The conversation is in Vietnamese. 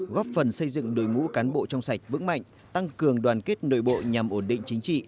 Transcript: góp phần xây dựng đội ngũ cán bộ trong sạch vững mạnh tăng cường đoàn kết nội bộ nhằm ổn định chính trị